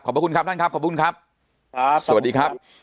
ขอบคุณครับท่านครับขอบคุณครับครับสวัสดีครับ